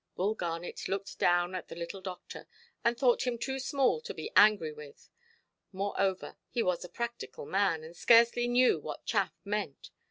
Bull Garnet looked down at the little doctor, and thought him too small to be angry with. Moreover, he was a practical man, and scarcely knew what chaff meant.